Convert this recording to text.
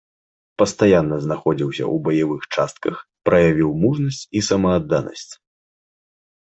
Пастаянна знаходзіўся ў баявых частках, праявіў мужнасць і самаадданасць.